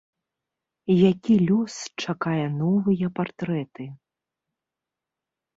Які лёс чакае новыя партрэты?